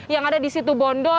yang ada di situ bondo